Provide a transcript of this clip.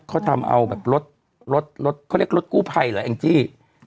เขาทำเอาแบบรถรถเขาเรียกรถกู้ภัยเหรอแองจี้